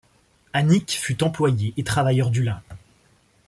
Hannick fut employé et travailleur du lin.